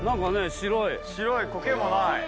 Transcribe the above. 白い苔もない。